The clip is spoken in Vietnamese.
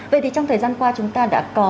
vậy thì trong thời gian qua chúng ta đã có